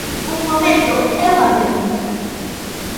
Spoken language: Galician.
Un momento, é unha pregunta.